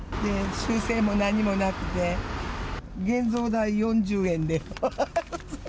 修正も何もなくて、現像代４０円で。